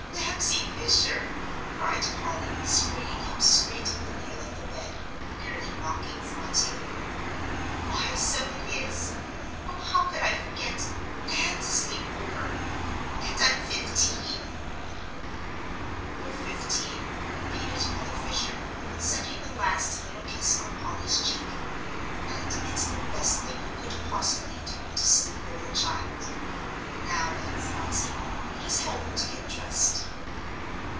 "Mamsie Fisher!" cried Polly, springing up straight in the middle of the bed, nearly knocking Phronsie over. "Why, so it is. Oh, how could I forget and sleep over. And I'm fifteen!" "You're fifteen," repeated Mother Fisher, setting the last little kiss on Polly's cheek, "and it's the best thing you could possibly do, to sleep over, child. Now, then, Phronsie, let us help her to get dressed."